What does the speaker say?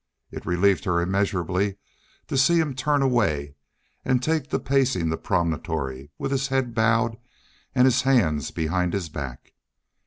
It relieved her immeasurably to see him turn away and take to pacing the promontory, with his head bowed and his hands behind his back.